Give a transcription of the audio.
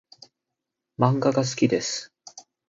漫画が好きです。